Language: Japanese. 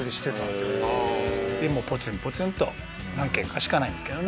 でもうポツンポツンと何軒かしかないんですけどね。